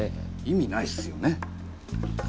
意味ないっすよね。